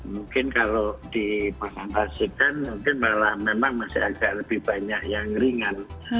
mungkin kalau di pasang pasikan memang masih agak lebih banyak yang ringan